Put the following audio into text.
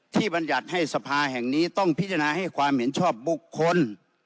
บรรยัติให้สภาแห่งนี้ต้องพิจารณาให้ความเห็นชอบบุคคล